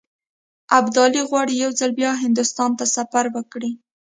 ابدالي غواړي یو ځل بیا هندوستان ته سفر وکړي.